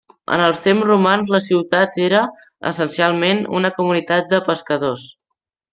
En els temps romans la ciutat era, essencialment, una comunitat de pescadors.